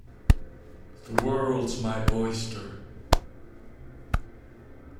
The world's my oyster